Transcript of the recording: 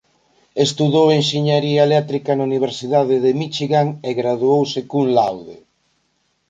Estudou enxeñaría eléctrica na Universidade de Míchigan e graduouse "Cum laude".